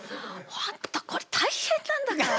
本当これ大変なんだから！